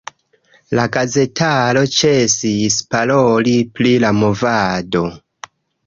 La gazetaro ĉesis paroli pri la movado.